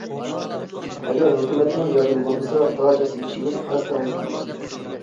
ئەگەر ھۆكۈمەتنىڭ ياردىمى بولمىسا داچا سېلىشىمىز ئەسلا مۇمكىن ئەمەس ئىدى.